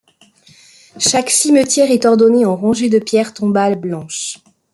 Chaque cimetière est ordonné en rangées de pierres tombales blanches.